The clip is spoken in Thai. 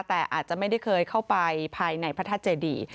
แต่อาจจะไม่ได้เคยเข้าไปภายในพระธาตุเจดี